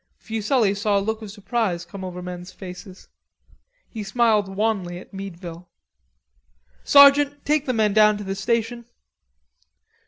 Fuselli saw a look of surprise come over men's faces. He smiled wanly at Meadville. "Sergeant, take the men down to the station."